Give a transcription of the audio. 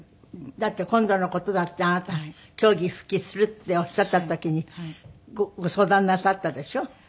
だって今度の事だってあなた競技復帰するっておっしゃった時にご相談なさったでしょ？